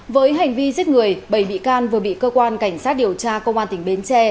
với hành vi giết người bảy bị can vừa bị cơ quan cảnh sát điều tra công an tỉnh bến tre